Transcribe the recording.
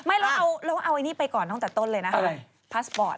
เราเอาไอ้นี่ไปก่อนตั้งแต่ต้นเลยนะคะพาสปอร์ต